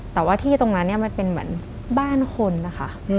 แต่ว่าที่ตรงนั้นมันเป็นแบบบ้านคนนะคะ